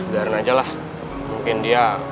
biarin aja lah mungkin dia